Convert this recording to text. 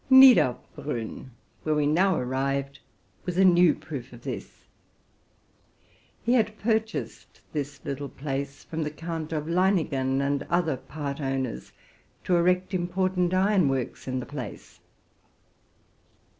Niederbrunn, where we now arrived, was a new proof of this. He had purchased this little place from the Count of Leiningen and other part owners, to erect important iron works in the place.